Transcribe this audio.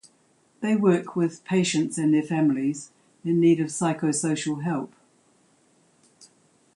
They work with patients and their families in need of psychosocial help.